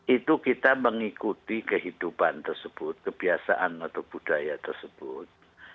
itu kita mengikuti kehidupan tersebut kebiasaan atau budaya tersebut